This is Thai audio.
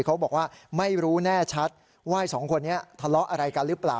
เขาบอกว่าไม่รู้แน่ชัดว่าสองคนนี้ทะเลาะอะไรกันหรือเปล่า